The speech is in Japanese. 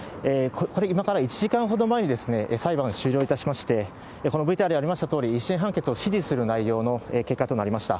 今から１時間ほど前に、裁判が終了いたしまして、このＶＴＲにありましたとおり、１審判決を支持する内容の結果となりました。